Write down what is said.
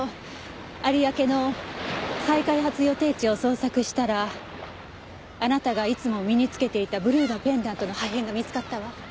有明の再開発予定地を捜索したらあなたがいつも身に着けていたブルーのペンダントの破片が見付かったわ。